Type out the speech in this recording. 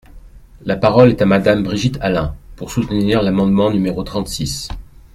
La parole est à Madame Brigitte Allain, pour soutenir l’amendement numéro trente-six.